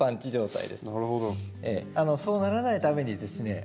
そうならないためにですね